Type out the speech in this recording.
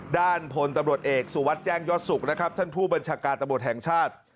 ด้านพลตำรวจเอกสุวัสดิ์แจ้งยอดสุขนะครับท่านผู้บัญชาการตำรวจแห่งชาติ